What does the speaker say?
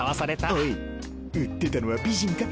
おい売ってたのは美人か？